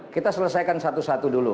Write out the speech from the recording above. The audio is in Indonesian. kita selesaikan satu satu dulu